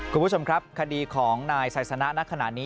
คุณผู้ชมครับคดีของนายไซสนะณขณะนี้